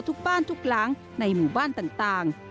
ทุกบ้านทุกหลังในหมู่บ้านต่าง